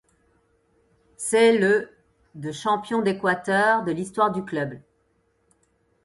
C'est le de champion d'Équateur de l'histoire du club.